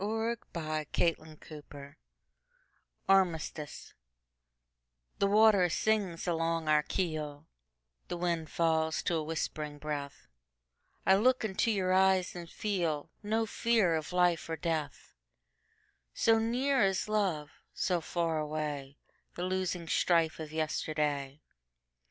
1900. By SophieJewett 1502 Armistice THE WATER sings along our keel, The wind falls to a whispering breath;I look into your eyes and feelNo fear of life or death; So near is love, so far awayThe losing strife of yesterday.